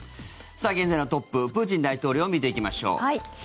現在のトッププーチン大統領を見ていきましょう。